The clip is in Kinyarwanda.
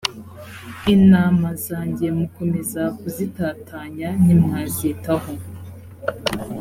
intama zanjye mukomeza kuzitatanya ntimwazitaho